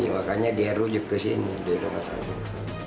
makanya dia rujuk ke sini di rumah sakit